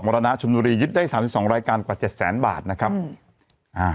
รณชมบุรียึดได้สามสิบสองรายการกว่าเจ็ดแสนบาทนะครับอืมอ่า